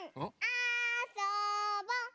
あそぼ！